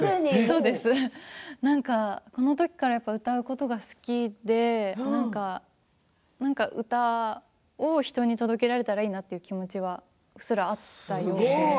なんかこのときから歌うことが好きで何か歌を人に届けられたらいいなという気持ちはうっすらあって。